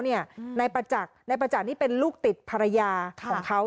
นายประจักษ์นี่เป็นลูกติดภรรยาของเขา